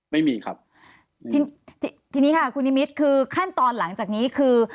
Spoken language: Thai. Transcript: ไม่มีครับทีนี้ค่ะคุณนิมิตรคือขั้นตอนหลังจากนี้คือ